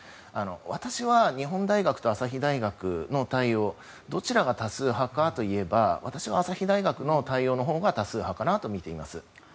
私は日本大学と朝日大学の対応どちらが多数派かといえば私は朝日大学の対応のほうが多数派かなとみています。